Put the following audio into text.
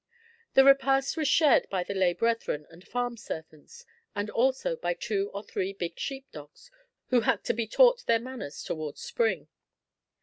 The repast was shared by the lay brethren and farm servants, and also by two or three big sheep dogs, who had to be taught their manners towards Spring.